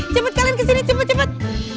cepet kalian kesini cepet cepet